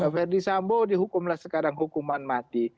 verdi sambo dihukumlah sekarang hukuman mati